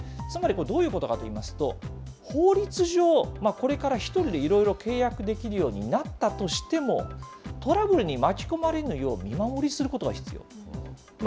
つまりこれ、どういうことかといいますと、法律上、これから１人で、いろいろ契約できるようになったとしても、トラブルに巻き込まれぬよう見守りすることが必要。